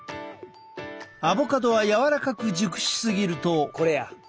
アボカドは柔らかく熟し過ぎると。